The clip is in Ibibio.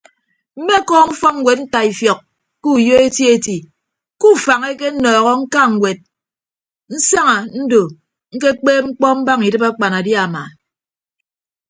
Mmekọọm ufọkñwed ntaifiọk ke uyo eti eti ke ufañ ekenọọhọ ñka ñwed nsaña ndo ñkekpeeb mkpọ mbaña idịb akpanadiama.